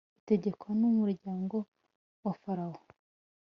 utegekwa n'umuryango wa farawo